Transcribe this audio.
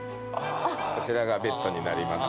こちらがベッドになります。